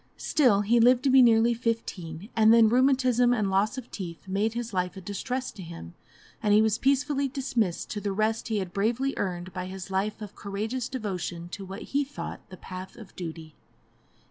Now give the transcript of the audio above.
Still, he lived to be nearly fifteen, and then rheumatism and loss of teeth made his life a distress to him, and he was peacefully dismissed to the rest he had bravely earned by his life of courageous devotion to what he thought the path of duty.